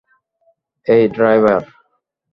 এই, ড্রাইভার।